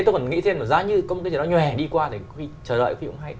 có một cái gì đó nhòe đi qua để chờ đợi khi cũng hay